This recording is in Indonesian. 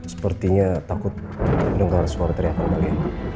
sepertinya takut mendengar suara teriak teriak kalian